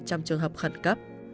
trong trường hợp khẩn cấp